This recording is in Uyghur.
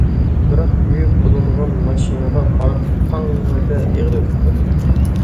بىراق يۇيۇپ بولۇنغان ماشىنىغا قاراپ پاڭڭىدە يىغلىۋېتىپتۇ.